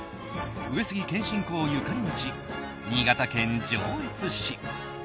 上杉謙信公ゆかりの地新潟県上越市。